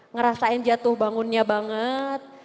ngerasain jatuh bangunnya banget